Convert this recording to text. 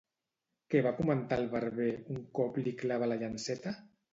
Què va comentar el barber un cop li clava la llanceta?